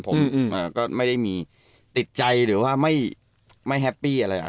ผมก็ไม่ได้มีติดใจหรือว่าไม่แฮปปี้อะไรอ่ะ